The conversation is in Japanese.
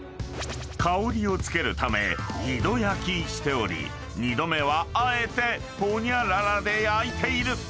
［香りをつけるため二度焼きしており２度目はあえてホニャララで焼いている］